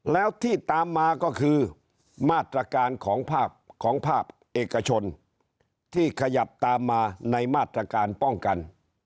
แล้วที่ตามมาก็คือมาตรการของภาคเอกชนที่ขยับตามมาในมาตรการป้องกัน